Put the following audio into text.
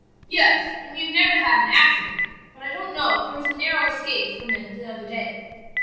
"Yes, and we have never had an accident; but I don't know but there was a narrow escape from it the other day.